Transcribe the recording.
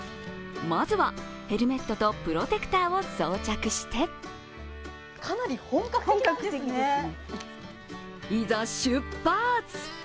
まずはヘルメットとプロテクターを装着していざ、出発。